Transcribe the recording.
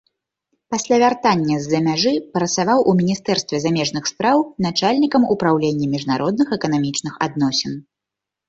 Пасля вяртання з-за мяжы працаваў у міністэрстве замежных спраў начальнікам упраўлення міжнародных эканамічных адносін.